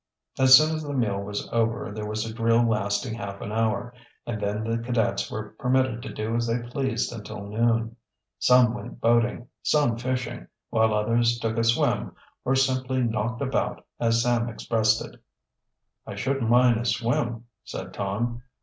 As soon as the meal was over there was a drill lasting half an hour, and then the cadets were permitted to do as they pleased until noon. Some went boating, some fishing, while others took a swim, or simply "knocked around" as Sam expressed it. "I shouldn't mind a swim," said Tom.